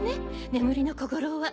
眠りの小五郎は。